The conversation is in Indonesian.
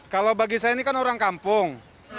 kalau bagi saya ini kan orang kampung